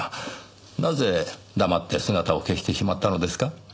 なぜ黙って姿を消してしまったのですか？